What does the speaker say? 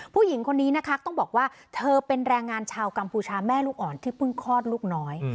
ผู้หญิงคนนี้นะคะต้องบอกว่าเธอเป็นแรงงานชาวกัมพูชาแม่ลูกอ่อนที่เพิ่งคลอดลูกน้อย